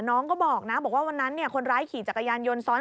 น้องก็บอกว่าวันนั้นคนร้ายขี่จักรยานยนต์